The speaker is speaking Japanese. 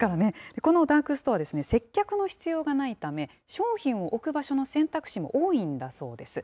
このダークストアですね、接客の必要がないため、商品を置く場所の選択肢も多いんだそうです。